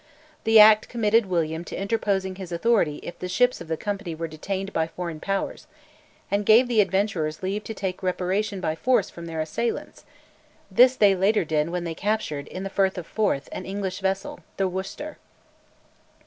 The Act committed William to interposing his authority if the ships of the company were detained by foreign powers, and gave the adventurers leave to take "reparation" by force from their assailants (this they later did when they captured in the Firth of Forth an English vessel, the Worcester).